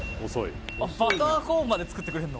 バターコーンまで作ってくれるの？